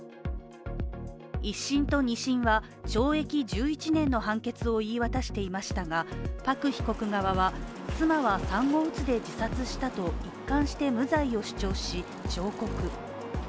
一審と二審は、懲役１１年の判決を言い渡していましたがパク被告側は、妻は産後うつで自殺したと一貫して無罪を主張し、上告。